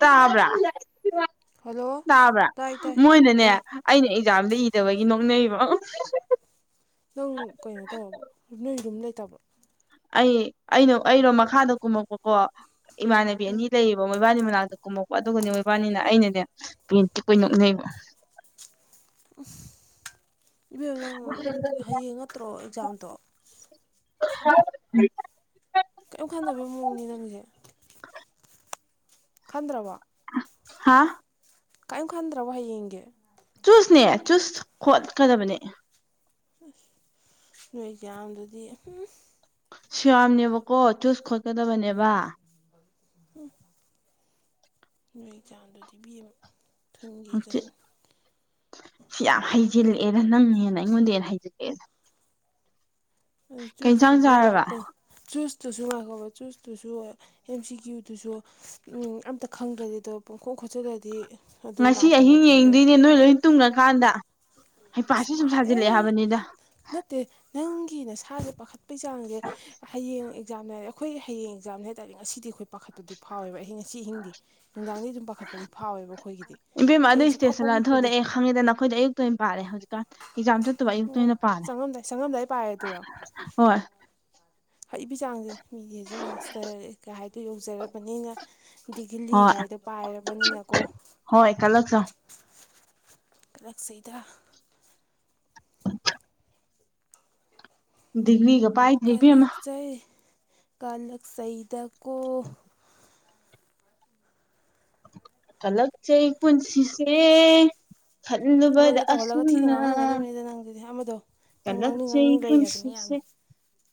ꯇꯥꯕ꯭ꯔꯥ ꯍꯜꯂꯣ ꯇꯥꯕ꯭ꯔꯥ ꯇꯥꯏ ꯇꯥꯏ ꯃꯣꯏꯅꯅꯦ ꯇꯥꯏ ꯑꯩꯅ ꯑꯦꯛꯖꯥꯝꯗ ꯏꯗꯕꯒꯤ ꯅꯣꯛꯅꯩꯕꯣ ꯅꯪ ꯀꯩꯅꯣ ꯇꯧꯕ ꯅꯣꯏ ꯑꯗꯨꯝ ꯂꯩꯇꯕꯣ ꯑꯩ ꯑꯩꯅ ꯑꯩꯅꯣ ꯃꯈꯥꯗ ꯀꯨꯝꯃꯛꯄꯀꯣ ꯏꯃꯥꯟꯅꯕꯤ ꯑꯅꯤ ꯎꯝ ꯂꯩꯌꯦ ꯃꯣꯏꯕꯥꯅꯤ ꯃꯅꯥꯛꯇ ꯀꯨꯝꯃꯛꯄ ꯑꯗꯨꯒꯅꯦ ꯃꯣꯏꯕꯥꯅꯤꯅ ꯑꯩꯅꯅꯦ ꯄꯤ ꯀꯨꯏꯅꯣꯛꯅꯩꯕ ꯎ ꯏꯕꯦꯝ ꯅꯪ ꯍꯌꯦꯡ ꯅꯠꯇ꯭ꯔꯣ ꯑꯦꯛꯖꯥꯝꯗꯣ ꯍ ꯀꯩꯝ ꯈꯥꯟꯗꯕꯒꯤ ꯃꯑꯣꯡꯅꯤ ꯅꯪꯁꯦ ꯈꯟꯗ꯭ꯔꯕ ꯍꯥꯥ ꯀꯔꯤꯝ ꯈꯟꯗ꯭ꯔꯕꯣ ꯍꯌꯦꯡꯒ ꯆꯨꯁꯅꯦ ꯆꯨꯁ ꯈꯣꯠꯀꯗꯕꯅꯦ ꯑꯁ ꯅꯣꯏ ꯑꯦꯛꯖꯥꯝꯗꯨꯗꯤ ꯁꯤꯌꯥꯝꯅꯦꯕꯀꯣ ꯆꯨꯁ ꯈꯣꯠꯀꯗꯕꯅꯦꯕ ꯅꯣꯏꯒꯤ ꯆꯥꯡꯗꯨꯗꯤꯕꯤꯦꯝꯃꯨ ꯍꯧꯪꯆꯤꯠ ꯁꯤ ꯌꯥꯝ ꯍꯩꯖꯤꯜꯂꯛꯑꯦꯅ ꯅꯪꯦꯅ ꯑꯩꯉꯣꯟꯗ ꯍꯦꯟꯅ ꯍꯩꯖꯤꯜꯂꯛꯑꯦꯅ ꯑꯗꯨ ꯏꯟꯁꯥꯡ ꯆꯨꯁꯇꯨꯁꯨ ꯆꯥꯔꯕ ꯀ ꯆꯨꯁꯇꯨꯁꯨ ꯂꯥꯛꯀꯕ ꯆꯨꯁꯇꯨꯁꯨ ꯑꯦꯝ ꯁꯤ ꯀ꯭ꯌꯨꯗꯨꯁꯨ ꯑꯝꯇ ꯈꯪꯗ꯭ꯔꯗꯤ ꯑꯗꯣ ꯄꯣꯡꯈꯣꯛ ꯈꯣꯠꯆꯜꯂꯗꯤ ꯉꯁꯤ ꯑꯍꯤꯡ ꯌꯦꯡꯗꯣꯏꯅꯦ ꯅꯣꯏ ꯂꯣꯏ ꯇꯨꯡꯉꯀꯥꯟꯗ ꯑꯁ ꯍꯩꯄꯥꯁꯤ ꯁꯨꯝ ꯁꯥꯖꯤꯜꯂꯛꯑꯦ ꯃꯥꯜꯂꯦ ꯍꯥꯏꯕꯅꯤꯗ ꯅꯠꯇꯦ ꯅꯪꯒꯤ ꯅꯁꯥꯁꯦ ꯄꯥꯈꯠꯄꯩ ꯆꯥꯡꯁꯦ ꯍꯌꯦꯡ ꯑꯦꯛꯖꯥꯝꯅꯦ ꯍꯥꯏ ꯑꯩꯈꯣꯏ ꯍꯌꯦꯡ ꯑꯦꯛꯖꯥꯝꯅꯦ ꯍꯥꯏꯇꯥꯔꯦ ꯉꯁꯤꯗꯤ ꯑꯩꯈꯣꯏ ꯄꯥꯈꯠꯄꯨꯗꯤ ꯐꯥꯎꯋꯦꯕ ꯑꯍꯤꯡ ꯉꯁꯤ ꯑꯍꯤꯡꯗꯤ ꯅꯨꯡꯗꯥꯡꯗꯤ ꯑꯗꯨꯝ ꯄꯥꯈꯠꯄꯗꯤ ꯐꯥꯎꯋꯦꯕ ꯑꯩꯈꯣꯏꯒꯤꯗꯤ ꯀꯗꯤ ꯁ ꯀ ꯐꯥꯎꯕꯤꯕꯨꯅꯦ ꯈꯪꯉꯦꯗ ꯅꯈꯣꯏꯗ ꯑꯌꯨꯛꯇ ꯑꯣꯏꯅ ꯄꯥꯔꯦ ꯍꯧꯖꯤꯛꯀ ꯑꯦꯛꯥꯝ ꯑꯣ ꯌꯨꯛꯇꯅ ꯄꯥꯜꯂꯦ ꯆꯪꯉꯝꯗꯥꯏ ꯆꯪꯉꯝꯗꯥꯏ ꯍꯣꯏ ꯍꯏꯕ ꯆꯥꯡꯁꯦ ꯃꯤꯒꯤꯖꯤꯛ ꯃꯥꯁꯇꯔ ꯀ ꯍꯥꯏꯗꯣ ꯌꯧꯖꯔꯕꯅꯤꯅ ꯍꯣꯏ ꯗꯤꯒꯤꯜꯂꯤꯒꯥꯏꯗꯣ ꯄꯥꯏꯔꯕꯅꯤꯅꯀꯣ ꯍꯣꯏ ꯀꯜꯂꯛꯆꯧ ꯀꯛꯁꯤꯗ ꯗꯤꯛ꯭ꯕꯤꯒ ꯄꯥꯏ ꯀꯂꯛꯁ ꯀꯂꯛ ꯆꯍꯤꯗꯀꯣ ꯍꯂꯛꯁꯦ ꯄꯨꯟꯁꯤꯁꯦ ꯈꯜꯂꯨꯕꯗ ꯑꯃꯗꯨ ꯇꯧꯍꯜꯂꯒ ꯊꯤꯅ ꯑꯁꯨꯝꯅ ꯉꯥꯡꯍꯟꯒꯗꯕꯅꯤꯗ ꯅꯪꯗꯨꯗꯤ ꯑꯃꯗꯣ ꯅꯪ ꯀꯂ ꯉꯥꯡꯅꯤꯡ ꯆꯍꯤ ꯉꯥꯡꯅꯤꯡ ꯂꯩ ꯍꯥꯏꯕꯅꯤ ꯌꯥꯝꯅ ꯈꯨꯁꯤꯁꯦ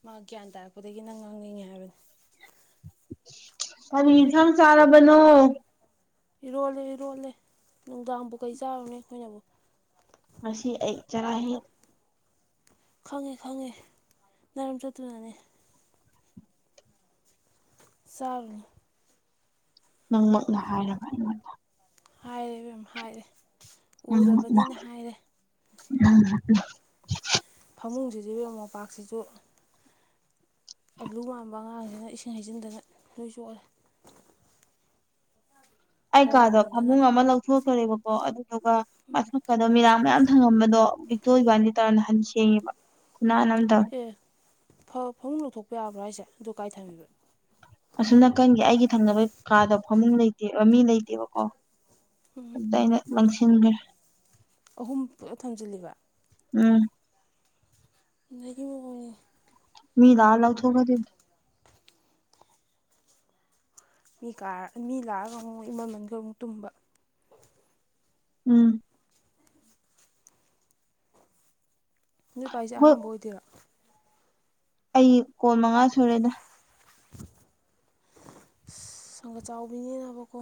ꯃꯥ ꯒ꯭ꯌꯥꯟ ꯇꯥꯔꯛꯄꯗꯒꯤ ꯅꯪ ꯉꯥꯡꯅꯤꯡꯉꯦ ꯍꯥꯏꯕꯅꯤ ꯑꯔꯤ ꯐꯝ ꯁꯔꯥ ꯅꯣ ꯏꯔꯣꯜꯂꯦ ꯏꯔꯣꯜꯂꯦ ꯅꯨꯡꯗꯥꯡꯕꯨ ꯀꯩ ꯆꯥꯔꯨꯅꯦ ꯑꯩꯈꯣꯏꯅꯕꯨ ꯑꯁꯤꯁꯤ ꯑꯩ ꯆꯔꯍꯤ ꯈꯪꯉꯦ ꯈꯪꯉꯦ ꯏꯔꯝ ꯆꯠꯇꯨꯅꯅꯦ ꯆꯥꯎ ꯅꯪꯃꯛꯅ ꯍꯥꯏꯔꯕ ꯑꯩꯉꯣꯟꯗ ꯍꯥꯏꯔꯦ ꯃꯦꯝ ꯍꯥꯏꯔꯦ ꯎꯔꯕꯅꯤꯅ ꯍꯥꯏꯔꯦ ꯎꯝ ꯎꯝ ꯐꯃꯨꯡꯁꯤꯗꯤ ꯃꯣꯝꯄꯥꯛꯁꯤꯁꯨ ꯑꯂꯨ ꯃꯥꯟꯕ ꯑꯉꯥꯡꯁꯤꯅ ꯏꯁꯤꯡ ꯍꯩꯖꯤꯟꯗꯅ ꯂꯣꯏ ꯆꯣꯛꯜꯂꯦ ꯑꯩ ꯀꯥꯗꯣ ꯍꯔꯥꯎꯃꯟꯗꯅ ꯐꯃꯨꯡ ꯑꯃ ꯂꯧꯊꯣꯛꯈ꯭ꯔꯦꯕꯀꯣ ꯑꯗꯨꯗꯨꯒ ꯃ ꯀꯩꯅꯣ ꯃꯤꯔꯥꯡ ꯃꯌꯥꯝ ꯊꯪꯉꯝꯕꯗꯣ ꯕꯤꯛꯇꯣ ꯑꯣꯏꯀꯥꯟꯗꯤ ꯇꯧꯔ ꯅꯍꯟ ꯁꯦꯡꯉꯦꯕ ꯈꯨꯟꯅꯥꯟ ꯑꯃ ꯇꯧꯔ ꯑꯦ ꯐꯃꯨꯡ ꯂꯧꯊꯣꯛꯄ ꯌꯥꯕ꯭ꯔꯥ ꯍꯥꯏꯁꯦ ꯑꯗꯨ ꯀꯥꯏ ꯊꯝꯕꯤꯕꯣ ꯑꯁꯨꯝ ꯅꯥꯀꯟꯒꯤ ꯑꯩꯒꯤ ꯊꯪꯅꯕ ꯀꯥꯗ ꯐꯃꯨꯡ ꯂꯩꯇꯦꯕ ꯃꯤ ꯂꯩꯇꯦꯕꯀꯣ ꯑꯗꯩꯅ ꯃꯁꯤꯒ ꯑꯍꯨꯝ ꯄꯨꯂ ꯊꯝꯖꯤꯜꯂꯤꯕ ꯎꯝ ꯒꯤ ꯃ ꯀꯅꯤ ꯃꯤ ꯂꯥꯑ ꯂꯥꯎ ꯊꯣ ꯈ ꯃꯤ ꯀꯥꯔ ꯃꯤ ꯂꯥꯛꯑꯒ ꯑꯃꯨꯛ ꯃꯃꯟꯒ ꯑꯃꯨꯛ ꯇꯨꯝꯕ ꯎꯝ ꯅꯨꯄꯥ ꯍꯥꯏꯁꯦ ꯍꯣꯏ ꯑꯍꯥꯟꯕ ꯑꯣꯏꯗꯣꯏꯕ ꯑꯩ ꯀꯣꯜ ꯃꯉꯥ ꯁꯨꯔꯦꯗ ꯁꯪꯒ ꯆꯥꯎꯕꯤꯅꯦꯅꯕꯀꯣ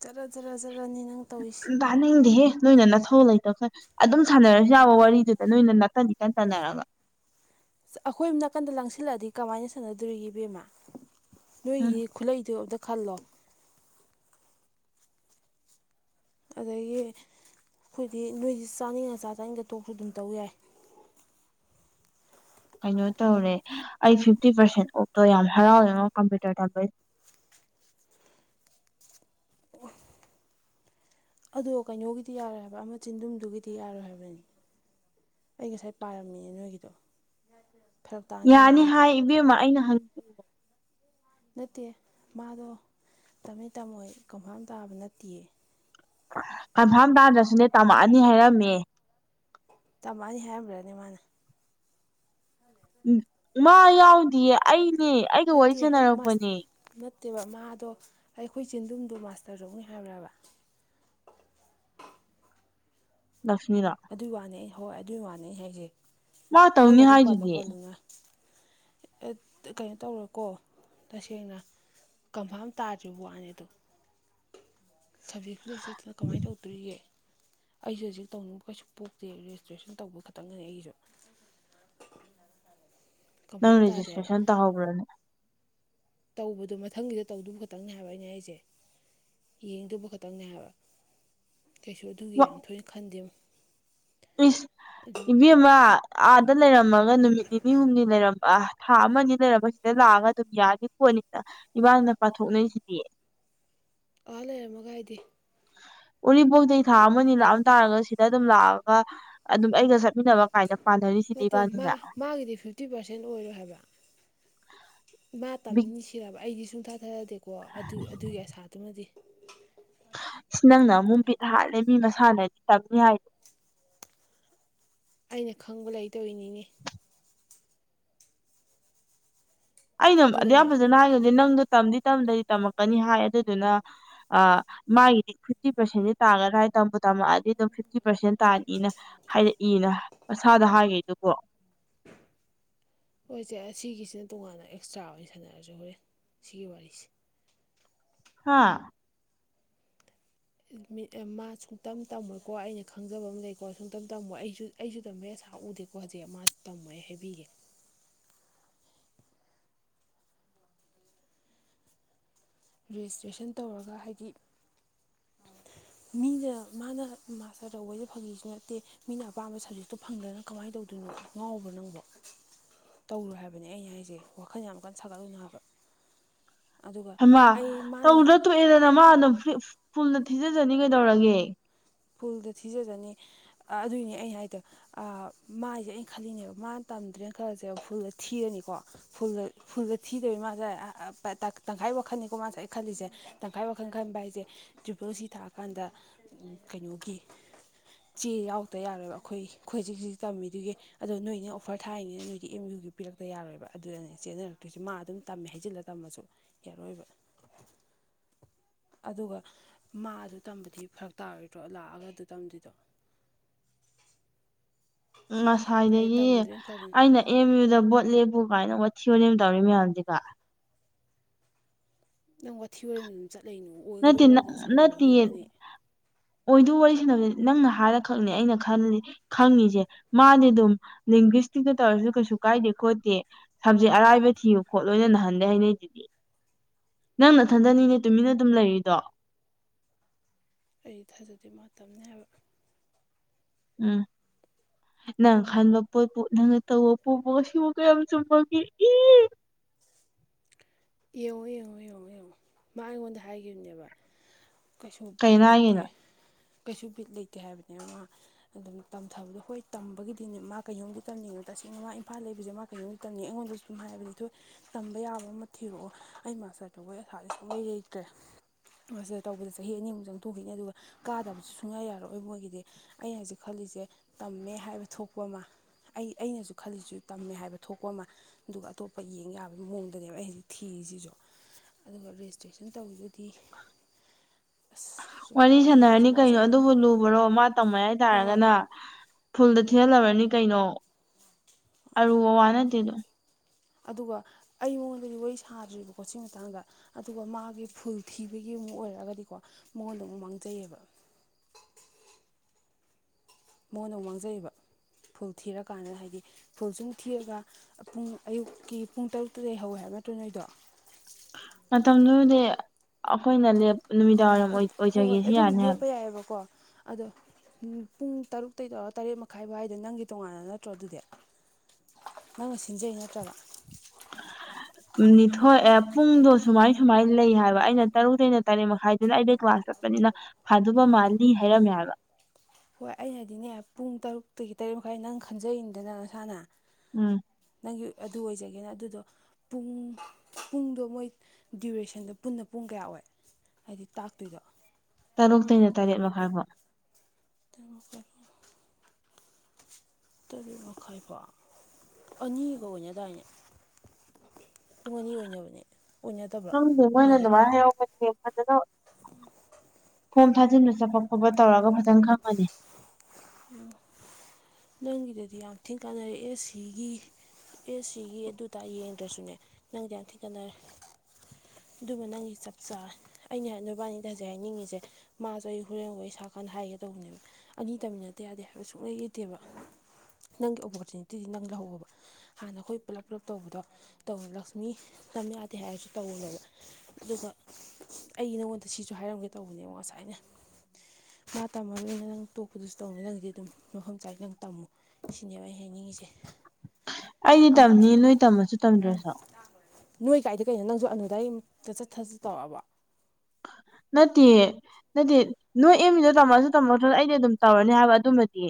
ꯖꯠꯔ ꯖꯠꯔ ꯠꯔꯅꯤ ꯅꯪ ꯇꯧꯏꯁ ꯊꯥꯅꯤꯡꯗꯦꯍꯦ ꯅꯣꯏꯅ ꯅꯅꯥꯊꯧ ꯂꯩꯇꯕ ꯈ ꯑꯗꯨꯝ ꯁꯥꯟꯅꯔꯁꯨ ꯌꯥꯎꯕ ꯋꯥꯔꯤꯗꯨꯗ ꯅꯣꯏꯅ ꯅꯥꯀꯟꯗꯤ ꯀꯟꯅ ꯇꯥꯟꯅꯔꯒ ꯑꯩꯈꯣꯏ ꯅꯥꯀꯟꯗ ꯂꯪꯁꯤꯜꯂꯛꯑꯗꯤ ꯀꯃꯥꯏꯅ ꯁꯥꯟꯅꯗꯣꯔꯤ ꯏꯕꯦꯝꯃ ꯎꯝ ꯅꯣꯏꯒꯤꯗꯤ ꯈꯨꯠꯂꯩꯗꯨꯣ ꯑꯝꯇ ꯈꯜꯂꯣ ꯑꯗꯒꯤ ꯑꯩꯈꯣꯏꯗꯤ ꯅꯣꯏꯁꯤ ꯆꯥꯅꯤꯡꯉ ꯆꯥꯗꯅꯤꯡꯗ ꯇꯣꯛꯁꯨ ꯑꯗꯨꯝ ꯇꯧ ꯌꯥꯏ ꯀꯩꯅꯣ ꯇꯧꯔꯦ ꯑꯩ ꯐꯤꯐꯇꯤ ꯄꯥꯔꯁꯦꯟ ꯑꯣꯛꯇꯣ ꯌꯥꯝ ꯍꯔꯥꯎꯋꯦꯅ ꯀꯝꯄ꯭ꯌꯨꯇꯔ ꯇꯝꯕ ꯑꯗꯣ ꯀꯩꯅꯣꯒꯤꯗꯤ ꯌꯥꯔꯣꯏ ꯍꯥꯏꯕ ꯑꯃ ꯆꯤꯟꯗꯨꯝꯗꯨꯒꯤꯗꯤ ꯌꯥꯔꯣꯏ ꯍꯥꯏꯕꯅꯤ ꯑꯩ ꯉꯁꯥꯏ ꯄꯥꯔꯝꯃꯤꯅꯦ ꯅꯣꯏꯒꯤꯗꯣ ꯐꯔ ꯇ ꯌꯥꯅꯤ ꯍꯥꯏ ꯏꯕꯦꯝꯃ ꯑꯩꯅ ꯍꯪ ꯅꯠꯇꯦ ꯃꯥꯗꯣ ꯇꯝꯃ ꯇꯃꯣꯏ ꯀꯪꯐꯥꯝ ꯇꯥꯕ ꯅꯠꯇꯦꯌꯦ ꯀꯟꯐꯥꯝ ꯇꯥꯗ꯭ꯔꯁꯨꯅꯦ ꯇꯝꯃꯛꯑꯅꯤ ꯍꯥꯏꯔꯝꯃꯦ ꯇꯝꯃꯛꯑꯅꯤ ꯍꯥꯏꯔꯝꯕ꯭ꯔꯅꯤ ꯃꯥꯅꯦ ꯎ ꯃꯥ ꯌꯥꯎꯗꯌꯦ ꯑꯩꯅꯦ ꯑꯩꯒ ꯋꯥꯔꯤ ꯅꯠꯇꯦ ꯃꯥꯁ ꯁꯥꯟꯅꯔꯛꯄꯅꯦ ꯅꯠꯇꯦꯕ ꯃꯥꯗꯣ ꯑꯩꯈꯣꯏ ꯆꯦꯟꯗꯨꯨꯝꯗꯣ ꯃꯥꯁꯇꯔꯗꯧꯅꯤ ꯍꯥꯏꯕ꯭ꯔꯕ ꯂꯁꯃꯤꯗ ꯑꯗꯨꯏ ꯋꯥꯅꯤ ꯑꯩ ꯍꯣꯏ ꯑꯗꯨꯏ ꯋꯥꯅꯤ ꯍꯥꯏꯁꯦ ꯃꯥ ꯅꯪ ꯇꯧꯅꯤ ꯑꯗꯨꯝ ꯄꯜꯂꯣ ꯍꯥꯏꯗꯨꯗꯤ ꯄꯜꯂꯣꯅ ꯑꯦ ꯀꯩꯅꯣ ꯇꯧꯔꯣꯏꯀꯣ ꯇꯁꯦꯡꯅ ꯀꯟꯐꯥꯔꯝ ꯇꯥꯗ꯭ꯔꯤꯕ ꯋꯥꯅ‌ꯦ ꯗꯨ ꯁꯞꯖꯦꯛꯁꯨ ꯂꯩꯁꯨ ꯂꯩꯇꯗꯅ ꯀꯃꯥꯏꯟ ꯇꯧꯗꯣꯔꯤꯒꯦ ꯑꯩꯁꯦ ꯍꯧꯖꯤꯛ ꯇꯧꯅꯤꯡꯕ ꯀꯩꯁꯨ ꯄꯣꯛꯇꯦ ꯔꯦꯖꯤꯁꯇ꯭ꯔꯦꯁꯟ ꯇꯧꯕ ꯈꯛꯇꯪꯗꯅꯤ ꯑꯩꯒꯤꯁꯨ ꯅꯪ ꯀꯟꯐꯥꯔꯝ ꯇꯥꯗꯦ ꯑꯕ ꯔꯦꯖꯤꯁꯇ꯭ꯔꯦꯁꯟ ꯇꯧꯍꯧꯕ꯭ꯔꯅꯦ ꯇꯧꯕꯗꯣ ꯃꯊꯪꯒꯤꯗ ꯇꯧꯗꯨ ꯈꯛꯇꯪꯅꯦ ꯍꯥꯏꯕ ꯑꯩꯅ ꯑꯩꯁꯦ ꯌꯦꯡꯗꯨꯕ ꯈꯛꯇꯪꯅꯦ ꯍꯥꯏꯕ ꯀꯩꯁꯨ ꯑꯗꯨꯒꯤ ꯌꯥꯝ ꯊꯣꯏꯅ ꯈꯟꯗꯦ ꯏꯁ ꯑꯗꯨ ꯏꯕ‌ꯦꯝ ꯃ ꯑꯥꯗ ꯂꯩꯔꯝꯃꯒ ꯅꯨꯃꯤꯠ ꯅꯤꯅꯤ ꯍꯨꯝꯅꯤ ꯂꯩꯔꯝꯕꯥ ꯊꯥ ꯑꯃꯅꯤ ꯂꯩꯔꯒ ꯁꯤꯗ ꯂꯥꯛꯑꯒ ꯑꯗꯨꯝ ꯌꯥꯅꯤ ꯈ‌ꯣꯠꯅꯤꯅ ꯏꯕꯅꯤꯅ ꯄꯥꯊꯣꯛꯅꯩꯁꯤꯗꯤ ꯑꯥ ꯂꯩꯔꯝꯃꯒꯥ ꯍꯥꯏꯗꯤ ꯎꯔꯤꯄꯣꯛꯇꯩꯩ ꯊꯥ ꯑꯃꯅꯤ ꯂꯥꯛꯑꯝ ꯇꯥꯔꯒ ꯁꯤꯗ ꯑꯗꯨꯝ ꯂꯥꯛꯑꯒ ꯑꯗꯨꯝ ꯑꯩꯒ ꯆꯠ ꯃꯤꯟꯅꯕ ꯀꯥꯏꯅ ꯄꯥꯅꯔꯤꯁꯤꯗꯤ ꯅꯠꯇꯦ ꯃꯥ ꯏꯕꯥꯅꯤꯅ ꯃꯥꯒꯤꯗꯤ ꯐꯤꯞ ꯐꯤꯐꯇꯤ ꯄꯥꯔꯁꯦꯟ ꯑꯣꯏꯔ‌ꯦ ꯍꯥꯏꯕ ꯃꯥ ꯕꯤꯠ ꯇꯝꯅꯤ ꯁꯤꯔꯕ ꯑꯩꯗꯤ ꯁꯨꯡꯊꯥ ꯊꯥꯖꯗ‌ꯦꯀꯣ ꯑꯗꯨ ꯑꯗꯨꯏ ꯑꯁꯥꯗꯨꯃꯗꯤ ꯑꯁ ꯅꯪꯅ ꯃꯨꯛ ꯕꯤꯠ ꯍꯥꯠꯂꯦ ꯃꯤ ꯃꯁꯥꯅꯗꯤ ꯇꯝꯅꯤ ꯍꯥꯏꯗꯣ ꯑꯩꯅ ꯈꯪꯕ ꯂꯩꯇꯧꯔꯤꯅꯤꯅꯦ ꯑꯩꯅ ꯑꯗꯨꯛ ꯌꯥꯝ ꯑꯗꯨꯒꯅꯦ ꯐꯖꯅ ꯍꯥꯏꯈꯩꯗꯤ ꯅꯪꯗꯣ ꯇꯝꯗꯤ ꯇꯝꯗꯔꯤ ꯇꯝꯃꯛꯀꯅꯤ ꯍꯥꯏ ꯑꯗꯨꯗꯨꯅ ꯑ ꯃꯥꯒꯤꯗꯤ ꯐꯤꯞꯇꯤ ꯄꯥꯔꯁꯦꯟꯗꯤ ꯇꯥꯒꯗ꯭ꯔ ꯍꯥꯏ ꯇꯝꯕꯨ ꯇꯝꯃꯛꯑꯗꯤ ꯑꯗꯨꯝ ꯐꯤꯐꯇꯤ ꯄꯥꯔꯁꯦꯟ ꯇꯥꯅꯤꯅ ꯍꯥꯏꯔꯛꯏꯅ ꯃꯁꯥꯗ ꯍꯥꯏꯒꯩꯗꯨꯕ‌ꯣ ꯍꯣꯏꯁ‌ꯦ ꯑꯁꯤꯒꯤꯁꯤꯅ ꯇꯣꯉꯥꯟꯅ ꯑꯦꯛꯁꯇ꯭ꯔꯥ ꯑꯣꯏꯅ ꯁꯥꯟꯅꯔꯁ‌ꯦ ꯍꯣꯔꯦꯟ ꯁꯤꯒꯤ ꯋꯥꯔꯤꯁꯦ ꯍꯥꯥ ꯃꯥ ꯁꯨꯡꯇꯝ ꯇꯝꯃꯣꯏꯀꯣ ꯑꯩꯅ ꯈꯪꯖꯕ ꯑꯃ ꯂꯩꯀꯣ ꯁꯨꯡꯇꯝ ꯇꯝꯃꯣꯏ ꯑꯩꯁꯨ ꯑꯩꯁꯨ ꯇꯝꯕꯩ ꯑꯁꯥ ꯎꯗꯦꯀꯣ ꯍꯧꯖꯤꯛ ꯃꯥ ꯇꯝꯃꯣꯏ ꯍꯥꯏꯕꯤꯒꯦ ꯔꯦꯖꯤꯁꯇ꯭ꯔꯦꯁꯟ ꯇꯧꯔꯒ ꯍꯥꯏꯗꯤ [inaudible] ꯃꯤꯅ ꯃꯥꯅ ꯃꯥꯁꯇꯔ ꯇꯧꯕꯩꯁꯦ ꯐꯪꯒꯤꯁꯨ ꯅꯠꯇꯦ ꯃꯤꯅ ꯑꯄꯥꯝꯕ ꯁꯕꯖꯦꯛꯇꯣ ꯐꯪꯗꯅ ꯀꯃꯥꯏꯅ ꯇꯧꯗꯣꯏꯅꯣ ꯉꯥꯎꯕꯔ‌ꯣ ꯅꯪꯕ‌ꯣ ꯇꯧꯔ‌ꯣꯏ ꯍꯥꯏꯕꯅꯦ ꯑꯩꯅ ꯍꯥꯏꯁꯦ ꯋꯥꯈꯜ ꯌꯥꯝ ꯀꯟꯅ ꯁꯥꯒꯠꯂꯨꯅ‌ꯣ ꯍꯥꯕ ꯍꯩꯃ ꯑꯩ ꯃꯥꯅ ꯇꯧꯗꯔ ꯇꯣꯛꯑꯦꯗꯅ ꯃꯥ ꯑꯗꯨꯝ ꯐꯔꯤ ꯐꯨꯜꯅꯗ ꯊꯤꯖꯖꯅꯤ ꯀꯩꯗꯧꯔꯒꯦ ꯐꯨꯜꯗ ꯊꯤꯖꯖꯅꯤ ꯑꯗꯨꯏꯅꯦ ꯑꯩ ꯍꯥꯏꯗꯣ ꯃꯥꯏꯁꯦ ꯑꯩꯅ ꯈꯜꯂꯤꯅꯦꯕ ꯃꯥꯅ ꯇꯝꯗ꯭ꯔꯦꯅ ꯈꯜꯂꯁꯦ ꯐꯨꯜꯗ ꯊꯤꯔꯅꯤꯀꯣ ꯐꯨꯜ ꯐꯨꯜꯗ ꯊꯤꯗꯕꯤ ꯃꯥꯁꯦ ꯇꯪꯈꯥꯏ ꯋꯥꯈꯜꯅꯤꯀꯣ ꯃꯥ ꯉꯁꯥꯏ ꯈꯜꯂꯤꯁꯦ ꯇꯪꯈꯥꯏ ꯋꯥꯈꯜ ꯈꯟꯕ ꯍꯥꯏꯁꯦ ꯇ꯭ꯔꯤꯄꯜꯁꯤ ꯊꯥꯑꯀꯥꯟꯗ ꯀꯩꯅꯣꯒꯤ ꯆꯦ ꯌꯥꯎꯔꯛꯇ ꯌꯥꯔ‌ꯣꯏꯕ ꯑꯩꯈꯣꯏ ꯈꯣꯏ ꯖꯤꯛꯖꯤꯛ ꯇꯝꯃꯤꯗꯨꯒꯤ ꯑꯗꯣ ꯅꯣꯏꯅꯦ ꯑꯣꯐꯔ ꯊꯥꯔꯤꯅꯤꯅ ꯅꯣꯏꯗꯤ ꯑꯦꯝ ꯌꯨꯒꯤ ꯄꯤꯔꯛꯇ ꯌꯥꯔꯣꯏꯕ ꯑꯗꯨꯗꯅꯦ ꯆꯦꯟꯅꯔꯛꯇꯣꯏꯁ‌ꯦ ꯃꯥ ꯑꯗꯨꯝ ꯇꯝꯃꯦ ꯍꯥꯏꯖꯤꯜꯂ ꯇꯝꯃꯁꯨ ꯌꯥꯔꯛꯑꯣꯏꯕ ꯑꯗꯨꯒ ꯃꯥ ꯑꯗꯨ ꯇꯝꯕꯗꯤ ꯐꯔꯛ ꯇꯥꯔꯣꯏꯗ꯭ꯔꯣ ꯂꯥꯛꯑꯒ ꯑꯗꯨ ꯇꯝꯗꯨꯏꯗꯣ ꯍꯥꯏꯗꯤ ꯉꯁꯥꯏꯗꯒꯤ ꯇꯝꯗ꯭ꯔꯦꯅ ꯈꯜꯂꯨ ꯑꯩꯅ ꯑꯦꯝ ꯌꯨꯗ ꯕꯣꯠ ꯂꯦꯞꯄꯨ ꯀꯥꯏꯅ ꯋꯥꯊꯤ ꯋꯥꯔ‌ꯦꯝ ꯇꯧꯔꯤ ꯃꯌꯥꯝꯁꯤꯒ ꯅꯪ ꯋꯥꯊꯤ ꯋꯥꯔ‌ꯦꯝ ꯑꯗꯨꯝ ꯆꯠ ꯂꯩꯅꯨ ꯅꯠꯇꯦ ꯑꯣꯏꯒꯗꯧꯕ ꯋꯥꯗ‌ꯣ ꯁꯥꯟꯅꯧꯋ‌ꯣ ꯅꯣꯏꯕꯥꯅꯤ ꯑꯣꯏꯗꯨ ꯋꯥꯔꯤꯁꯅꯕ ꯅꯪꯅ ꯍꯥꯏꯔ ꯈꯛꯅꯦ ꯑꯩꯅ ꯈꯜꯂꯤ ꯈꯪꯉꯤꯁꯦ ꯃꯥꯗꯤ ꯑꯗꯨꯝ ꯂꯤꯡꯒ꯭ꯁꯇꯤꯛꯇ ꯇꯧꯔꯁꯨ ꯀꯩꯁꯨ ꯀꯥꯏꯗꯦ ꯈꯣꯠꯇꯦ ꯁꯝꯖꯦꯛ ꯑꯔꯥꯏꯕ ꯊꯤꯌꯨ ꯈꯣꯠ ꯂꯣꯅ ꯅꯥꯍꯟꯗꯩ ꯍꯥꯏꯅꯩꯗꯨꯗꯤ ꯅꯪ ꯅꯊꯟꯗꯅꯤꯅꯦ ꯇꯨꯃꯤꯟꯅ ꯗꯨꯝ ꯂꯩꯔꯤꯗꯣ ꯑꯩ ꯊꯥꯖꯗꯦ ꯃꯥ ꯇꯝꯅꯤ ꯍꯥꯏꯕ ꯎꯝ ꯅꯪ ꯈꯟꯕ ꯄꯣꯠꯄꯨ ꯅꯪꯅ ꯇꯧꯕ ꯄꯣꯠꯄꯨ ꯁꯤꯕꯨ ꯀꯌꯥꯝ ꯆꯨꯝꯃꯒꯦ ꯏ ꯌꯦꯡꯉꯣ ꯌꯦꯡꯉꯣ ꯌꯦꯡꯉꯣ ꯌꯦꯡꯉꯣ ꯃꯥ ꯑꯩꯉꯣꯟꯗ ꯍꯥꯏꯈꯤꯕꯅꯦꯕ ꯀꯩꯁꯨ ꯕꯤꯠ ꯀꯩꯅꯣ ꯂꯩꯇꯦ ꯍꯥꯏꯁꯤꯅ ꯀꯩꯁꯨ ꯕꯤꯠ ꯂꯩꯇꯦ ꯍꯥꯏꯕꯅꯦꯕ ꯃꯥ ꯑꯗꯨꯝ ꯇꯝꯊꯕꯗꯣ ꯍꯣꯏ ꯇꯝꯕꯒꯤꯗꯤꯅꯦ ꯃꯥ ꯀꯩꯅꯣꯝꯒꯤ ꯇꯝꯅꯤꯡꯉꯣ ꯇꯁꯦꯡꯅ ꯃꯥ ꯏꯝꯐꯥꯜ ꯂꯩꯕꯁꯦ ꯃꯥ ꯀꯩꯩꯅꯣꯝ ꯅꯤ ꯑꯩꯉꯣꯟꯗꯁꯨ ꯁꯨꯝ ꯍꯥꯏꯕꯗꯤ ꯊꯣꯏ ꯇꯝꯕ ꯌꯥꯕ ꯊꯤꯔꯛꯑꯣ ꯑꯩ ꯃꯥꯁꯇꯔꯗꯨꯕꯣꯏ ꯑꯁꯥ ꯏꯁꯩ ꯂꯩꯩꯇ꯭ꯔꯦ ꯃꯁꯤꯗ ꯇꯧꯕꯗ ꯆꯍꯤ ꯑꯅꯤꯃꯨꯛ ꯆꯪꯊꯣꯛꯈꯤꯅꯤ ꯑꯗꯨꯒ ꯀꯥꯗꯕꯁꯨ ꯁꯨꯡꯌꯥ ꯌꯥꯔꯣꯏ ꯃꯣꯏꯒꯤꯗꯤ ꯑꯩꯅ ꯍꯧꯖꯤꯛ ꯈꯜꯂꯤꯁꯦ ꯇꯝꯃꯦ ꯍꯥꯏꯕ ꯊꯣꯛꯄ ꯑꯃ ꯑꯩ ꯑꯩꯅꯁꯨ ꯈꯜꯂꯤꯁꯨ ꯇꯝꯃꯦ ꯍꯥꯏꯕ ꯊꯣꯛꯄ ꯑꯃ ꯑꯗꯨꯒ ꯑꯇꯣꯞꯄ ꯌꯦꯡ ꯌꯥꯕꯒꯤ ꯃꯑꯣꯡꯗꯅꯦꯕ ꯑꯩ ꯍꯧꯛ ꯊꯤꯁꯤꯁꯨ ꯑꯗꯨꯒ ꯔꯦꯖꯤꯁꯇ꯭ꯔꯦꯁꯟ ꯇꯧꯔꯤꯁ [inaudible] ꯋꯥꯔꯤ ꯔꯦꯀꯣꯔꯠꯅꯤꯅ ꯑꯁ ꯁꯥꯟꯅꯔꯅꯤ ꯋꯥꯁꯦ ꯀꯩꯅꯣ ꯍꯣꯏ ꯑꯗꯨꯕꯨ ꯂꯨꯕꯔꯣ ꯃꯥ ꯇꯝꯃꯦ ꯍꯣꯏ ꯍꯥꯏꯇꯥꯥꯔꯒꯅ ꯐꯨꯜꯗ ꯊꯤꯍꯜꯂꯔꯅꯤ ꯀꯩꯅꯣ ꯑꯔꯨꯕ ꯋꯥ ꯅꯠꯇꯦꯗꯣ ꯑꯗꯨꯒ ꯑꯩ ꯃꯉꯣꯟꯗꯗꯤ ꯋꯥꯔꯤ ꯁꯥꯗ꯭ꯔꯤꯕ ꯀꯣꯆꯤꯡ ꯃꯇꯥꯡꯗ ꯑꯗꯨꯒ ꯃꯥꯒꯤ ꯐꯨꯜ ꯊꯤꯕꯒꯤ ꯑꯃꯨꯛ ꯑꯣꯏꯔꯒꯗꯤꯀꯣ ꯃꯉꯣꯟꯗ ꯑꯃꯨꯛ ꯃꯥꯡꯖꯩꯕ ꯃꯉꯣꯟꯗ ꯑꯃꯨ ꯃꯥꯡꯖꯩꯑꯕ ꯐꯨꯜ ꯊꯤꯔꯀꯥꯟꯗ ꯍꯥꯏꯗꯤ ꯐꯨꯜ ꯁꯨꯝ ꯊꯤꯔꯒ ꯄꯨꯡ ꯑꯌꯨꯛꯀꯤ ꯄꯨꯡ ꯇꯔꯨꯛꯇꯨꯗꯩ ꯍꯧꯋꯦ ꯍꯥꯏꯕ ꯅꯠꯇ꯭ꯔꯣ ꯅꯣꯏꯗꯣ ꯃꯇꯝꯗꯨꯗꯤ ꯑꯩꯈꯣꯏꯅꯅꯦ ꯅꯨꯃꯤꯗꯥꯡ ꯍꯣꯏ ꯍꯣꯏ ꯑꯣꯏꯖꯒꯦꯁꯤ ꯑꯗꯨꯝ ꯌꯥꯅꯤ ꯍꯥꯏꯕ ꯂꯦꯞꯄ ꯌꯥꯏꯑꯕꯀꯣ ꯑꯗꯣ ꯄꯨꯡ ꯇꯔꯨꯛꯇꯩꯩ ꯇꯧꯔ ꯇꯔꯦꯠ ꯃꯈꯥꯏꯐꯥꯎ ꯍꯥꯏꯗꯣ ꯅꯪꯒꯤ ꯇꯣꯉꯥꯟꯅ ꯅꯠꯇ꯭ꯔꯣ ꯑꯗꯨꯗꯤ ꯅꯪꯅ ꯁꯤꯟꯖꯩ ꯅꯠꯇ꯭ꯔꯕ ꯎ ꯅꯤꯊꯣꯏ ꯄꯨꯡꯗꯣ ꯁꯨꯃꯥꯏ ꯁꯨꯃꯥꯏꯅ ꯂꯩ ꯍꯥꯏꯕ ꯑꯩꯅ ꯇꯔꯨꯛꯇꯩꯩꯅ ꯇꯔꯦꯠ ꯃꯈꯥꯏ ꯑꯗꯨꯅ ꯑꯩꯗ ꯀ꯭ꯂꯥꯁ ꯆꯠꯄꯅꯤꯅ ꯐꯥꯗꯕ ꯃꯥꯜꯂꯤ ꯍꯥꯏꯔꯝꯃꯦ ꯍꯥꯏꯕ ꯍꯣꯏ ꯑꯩꯅꯗꯤꯅꯦ ꯄꯨꯡ ꯇꯔꯨꯛꯇꯒꯤ ꯇꯔꯦꯠ ꯃꯈꯥꯏ ꯅꯪ ꯈꯟꯖꯔꯤꯅꯤꯗꯅ ꯅꯁꯥꯅ ꯎꯝ ꯅꯪꯒꯤ ꯑꯗꯨ ꯑꯣꯏꯖꯒꯦꯅ ꯑꯗꯨꯗꯣ ꯄꯨꯡ ꯄꯨꯡꯗꯣ ꯃꯣꯏ ꯗ꯭ꯌꯨꯔꯦꯁꯟꯗꯣ ꯄꯨꯟꯅ ꯄꯨꯡ ꯀꯌꯥ ꯑꯣꯏ ꯍꯥꯏꯗꯤ ꯇꯥꯛꯇꯣꯏꯗꯣ ꯇꯔꯨꯛꯇꯩꯩꯅ ꯇꯔꯦꯠ ꯃꯈꯥꯏꯐꯥꯎ ꯇꯃ ꯇꯔꯦꯠ ꯃꯈꯥꯏ ꯐꯥꯎ ꯑꯅꯤꯒ ꯑꯣꯏꯅꯗꯥꯏꯅꯦ ꯄꯨꯡ ꯑꯅꯤ ꯑꯣꯏꯅꯕꯅꯦ ꯑꯣꯏꯅꯗꯕ꯭ꯔꯥ ꯈꯪꯗꯦ ꯃꯥꯏꯅ ꯅꯣꯏꯒꯤ [unintelligible] ꯀꯩꯅꯣ ꯐꯣꯝ ꯊꯥꯖꯤꯟꯕ ꯆꯠꯄ ꯈꯣꯠꯄ ꯇꯧꯔꯒ ꯐꯖꯅ ꯈꯪꯉꯅꯤ ꯎ ꯅꯪꯒꯤꯗꯗꯤ ꯌꯥꯝ ꯊꯤꯅ ꯀꯥꯟꯅꯔꯛ ꯑꯦꯁꯤꯒꯤ ꯑꯦꯁꯤꯒꯤ ꯑꯗꯨꯗ ꯌꯦꯡꯗ꯭ꯔꯁꯨꯅꯦ ꯅꯪꯗꯤ ꯌꯥꯝ ꯊꯤꯟꯅ ꯀꯥꯅꯔꯦ ꯑꯗꯨꯕꯨ ꯅꯪꯒꯤ ꯆꯞ ꯆꯥ ꯑꯩꯅ ꯅꯨꯕꯥꯅꯤꯗ ꯍꯧꯖꯤꯛ ꯍꯥꯏꯅꯤꯡꯉꯤꯁꯦ ꯃꯥꯁꯨ ꯑꯩ ꯍꯣꯔꯦꯟꯒ ꯑꯩ ꯁꯥꯀꯥꯟ ꯍꯥꯏꯒꯗꯧꯕꯅꯦꯕ ꯑꯅꯤ ꯇꯝꯃꯤꯟꯅꯠꯇ ꯌꯥꯗꯦ ꯍꯥꯏꯕ ꯁꯨꯡꯂꯩ ꯂꯩꯇꯦꯕ ꯅꯪꯒꯤ ꯑꯣꯄꯣꯔꯆꯨꯅꯤꯇꯤꯗꯤ ꯅꯪ ꯂꯧꯍꯧꯕ ꯍꯥꯟꯅ ꯑꯩꯈꯣꯏ ꯄꯨꯜꯂꯞ ꯄꯨꯂꯞ ꯇꯧꯕꯗꯣ ꯇꯧꯋꯦ ꯂꯛꯁꯃꯤ ꯂꯝ ꯌꯥꯗꯦ ꯍꯥꯏꯔꯁꯨ ꯇꯧꯋꯅꯦꯕ ꯑꯗꯨꯒ ꯑꯩꯒꯤ ꯅꯉꯣꯟꯗ ꯁꯤꯁꯨ ꯍꯥꯏꯔꯝꯒꯦ ꯇꯧꯕꯅꯦꯕ ꯉꯁꯥꯏꯅ ꯃꯥ ꯇꯝꯃꯒ ꯑꯣꯏꯅ ꯅꯪ ꯇꯣꯛꯄꯗꯨꯁꯨ ꯇꯧꯅ ꯅꯪꯗꯤ ꯑꯗꯨꯝ ꯃꯐꯝ ꯆꯥꯏ ꯅꯪ ꯇꯝꯃꯨ ꯁꯤꯅꯦꯕ ꯑꯩꯩꯅ ꯍꯥꯏꯅꯤꯡꯉꯤꯁꯦ ꯑꯩꯗꯤ ꯇꯝꯅꯤ ꯅꯣꯏ ꯇꯝꯃꯁꯨ ꯇꯝꯗ꯭ꯔꯁꯨ ꯆꯥꯛ ꯂꯣꯏꯔꯦ ꯅꯣꯏ ꯀꯥꯏꯗꯤ ꯀꯩꯅꯣ ꯅꯪꯁꯨ ꯑꯗꯨꯗꯥꯏ ꯆꯇꯠ ꯊꯖꯠ ꯇꯧꯛꯑꯕ ꯅꯠꯇꯦꯌꯦ ꯅꯠꯇꯦ ꯅꯣꯏ ꯑꯦꯝꯃꯤꯗ ꯇꯝꯃꯁꯨ ꯇꯝꯃꯛꯇꯔ ꯑꯩꯅ ꯑꯗꯨꯝ ꯇꯧꯔꯅꯤ ꯍꯥꯏꯕ ꯑꯗꯨꯃꯗꯤ